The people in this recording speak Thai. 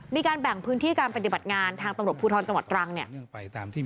มีการแบ่งพื้นที่การปฏิบัติงานทางตำรวจภูทรจังหวัดตรังเนี่ย